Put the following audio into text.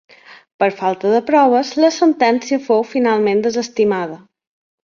Per falta de proves, la sentència fou finalment desestimada.